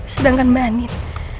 sedangkan mbak andin